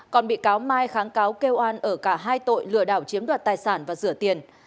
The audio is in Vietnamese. còn bị cáo mai kháng cáo kêu oan ở cả hai tội lừa đảo chiếm đoạt tài sản và rửa tiền